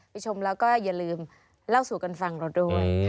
ชมแล้วก็อย่าลืมเล่าสู่กันฟังเราด้วย